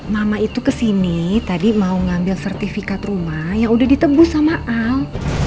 mama itu kesini tadi mau ngambil sertifikat rumah yang udah ditebus sama al